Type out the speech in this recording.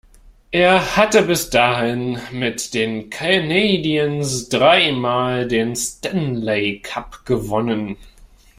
Er hatte bis dahin mit den Canadiens drei Mal den Stanley Cup gewonnen.